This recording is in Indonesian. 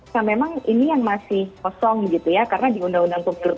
nah memang ini yang masih kosong gitu ya karena di undang undang pemilu